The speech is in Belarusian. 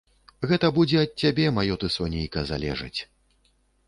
Гэта будзе ад цябе, маё ты сонейка, залежаць.